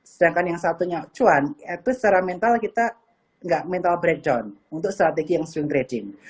sedangkan yang satunya cuan itu secara mental kita nggak mental breakdown untuk strategi yang swing trading